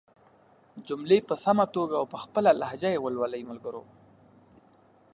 جملې په سمه توګه او په خپله لهجه ېې ولولئ ملګرو!